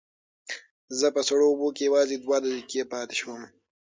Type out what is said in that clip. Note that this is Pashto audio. زه په سړو اوبو کې یوازې دوه دقیقې پاتې شوم.